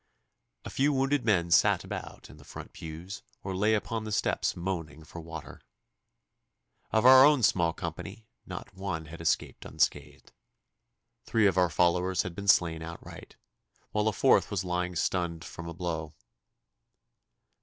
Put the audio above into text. A few wounded men sat about in the front pews or lay upon the steps moaning for water. Of our own small company not one had escaped unscathed. Three of our followers had been slain outright, while a fourth was lying stunned from a blow.